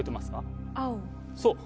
そう。